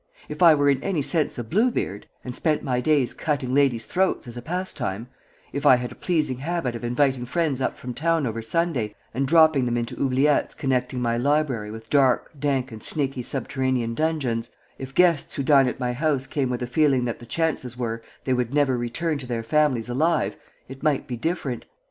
If I were in any sense a Bluebeard, and spent my days cutting ladies' throats as a pastime; if I had a pleasing habit of inviting friends up from town over Sunday, and dropping them into oubliettes connecting my library with dark, dank, and snaky subterranean dungeons; if guests who dine at my house came with a feeling that the chances were, they would never return to their families alive it might be different.